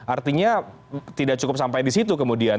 artinya tidak cukup sampai di situ kemudian